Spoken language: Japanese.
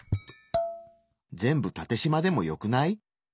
全部タテしまでもよくない？